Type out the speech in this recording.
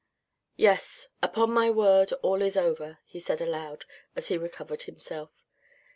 " Yes, upon my word, all is over," he said aloud as he recovered himself.